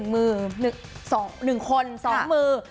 มือ๑คน๒มือ